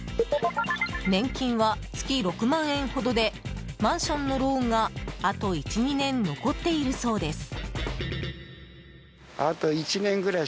年金は月６万円ほどでマンションのローンがあと１２年残っているそうです。